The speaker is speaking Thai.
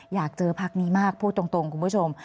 อยากเจอพักนี้มากพูดตรงคุณผู้ชม